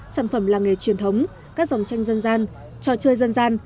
sản phẩm làng nghề truyền thống các dòng tranh dân gian trò chơi dân gian